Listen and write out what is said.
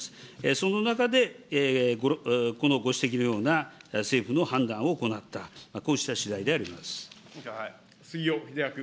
その中で、このご指摘のような政府の判断を行った、杉尾秀哉君。